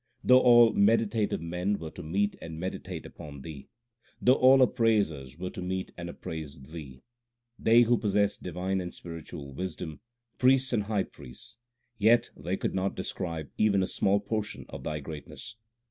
Though all meditative men were to meet and meditate upon Thee, Though all appraisers were to meet and appraise Thee They who possess divine and spiritual wisdom, priests and high priests Yet they could not describe even a small portion of Thy greatness.